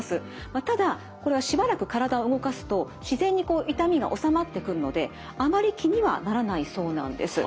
ただこれはしばらく体を動かすと自然に痛みが治まってくるのであまり気にはならないそうなんです。